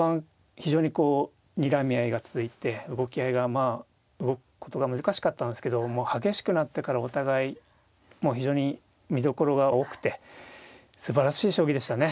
非常にこうにらみ合いが続いて動くことが難しかったんですけどもう激しくなってからお互い非常に見どころが多くてすばらしい将棋でしたね。